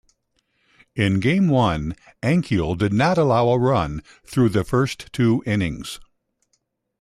In game one, Ankiel did not allow a run through the first two innings.